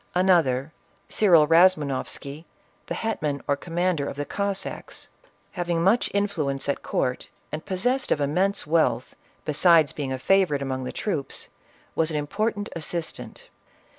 Another, Cyril Razumoffsky, the hetman or commander of the Cos Backs, having much influence at court and possessed of 402 CATHERINE OP RUSSIA. immense wealth, besides being a favorite among the troops, \vas an important assistant.